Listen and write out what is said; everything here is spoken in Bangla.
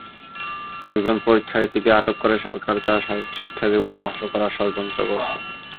একজন পরীক্ষার্থীকে আটক করে সরকার তার শিক্ষাজীবন ধ্বংস করার ষড়যন্ত্র করছে।